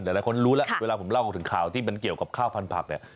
หลายคนรู้แล้วเวลาผมเล่าถึงข่าวที่มันเกี่ยวกับข้าวพันธักเนี่ย